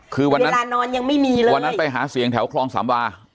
คือวันนี้เวลานอนยังไม่มีเลยวันนั้นไปหาเสียงแถวคลองสามวา